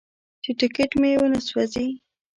چې ټکټ مې ونه سوځوي.